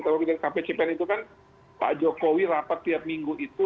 kalau kita lihat kpcpen itu kan pak jokowi rapat tiap minggu itu